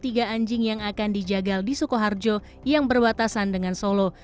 tiga anjing yang akan dijagal di sukoharjo yang berbatasan dengan solo